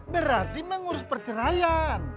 berarti mengurus perceraian